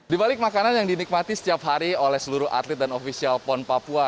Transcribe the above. di balik makanan yang dinikmati setiap hari oleh seluruh atlet dan ofisial pon papua